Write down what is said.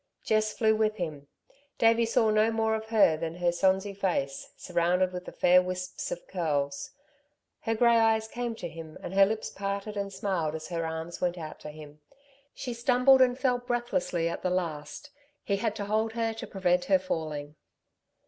Jess flew with him. Davey saw no more of her than her sonsy face, surrounded with the fair wisps of curls. Her grey eyes came to him and her lips parted and smiled as her arms went out to him. She stumbled and fell breathlessly at the last; he had to hold her to prevent her falling.